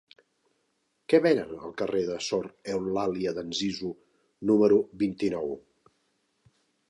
Què venen al carrer de Sor Eulàlia d'Anzizu número vint-i-nou?